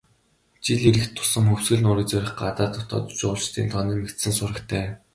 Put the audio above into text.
Жил ирэх тусам Хөвсгөл нуурыг зорих гадаад, дотоод жуулчдын тоо нэмэгдсэн сурагтай.